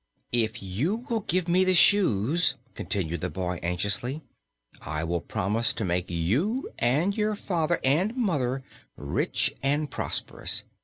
"If you will give me the shoes," continued the boy, anxiously, "I will promise to make you and your father and mother rich and prosperous.